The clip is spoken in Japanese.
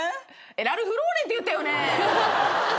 ラルフローレンって言ったよね？